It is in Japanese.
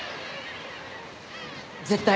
絶対。